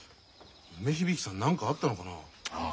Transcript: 梅響さん何かあったのかな。